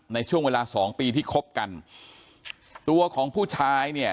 ในช่วงเวลาสองปีที่คบกันตัวของผู้ชายเนี่ย